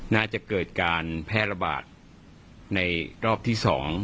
น่าจะเกิดการแพร่ระบาดในรอบที่๒